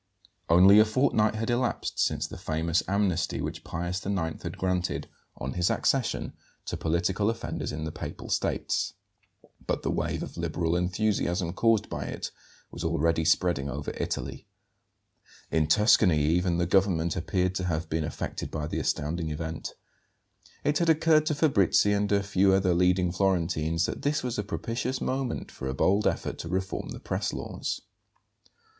Only a fortnight had elapsed since the famous amnesty which Pius IX. had granted, on his accession, to political offenders in the Papal States; but the wave of liberal enthusiasm caused by it was already spreading over Italy. In Tuscany even the government appeared to have been affected by the astounding event. It had occurred to Fabrizi and a few other leading Florentines that this was a propitious moment for a bold effort to reform the press laws.